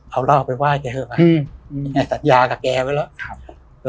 เอาเหล้าไปไหว้แกเถอะไปอืมแกสัดยากับแกไว้แล้วครับ